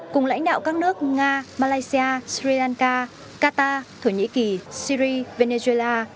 cùng lãnh đạo các nước nga malaysia sri lanka qatar thổ nhĩ kỳ syri venezuela